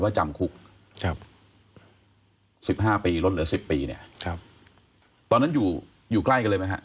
จำคุกครับสิบห้าปีลดเหลือสิบปีเนี่ยครับตอนนั้นอยู่อยู่ใกล้กันเลยไหมฮะ